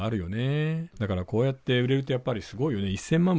だからこうやって売れるとやっぱりすごいよね１，０００万